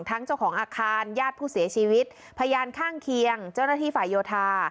เจ้าของอาคารญาติผู้เสียชีวิตพยานข้างเคียงเจ้าหน้าที่ฝ่ายโยธา